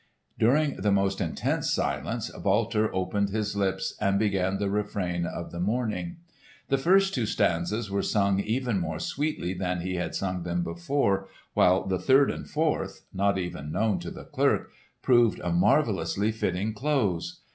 During the most intense silence Walter opened his lips and began the refrain of the morning. The first two stanzas were sung even more sweetly than he had sung them before, while the third and fourth—not even known to the clerk—proved a marvellously fitting close.